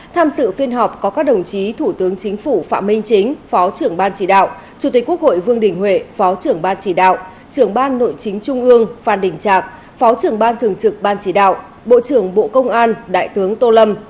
tham dự phiên họp có các đồng chí thủ tướng chính phủ phạm minh chính phó trưởng ban chỉ đạo chủ tịch quốc hội vương đình huệ phó trưởng ban chỉ đạo trưởng ban nội chính trung ương phan đình trạc phó trưởng ban thường trực ban chỉ đạo bộ trưởng bộ công an đại tướng tô lâm